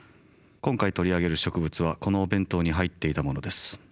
今回取り上げる植物はこのお弁当に入っていたものです。